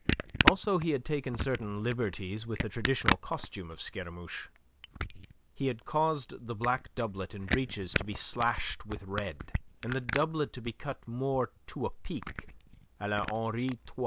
Also he had taken certain liberties with the traditional costume of Scaramouche; he had caused the black doublet and breeches to be slashed with red, and the doublet to be cut more to a peak, a la Henri III.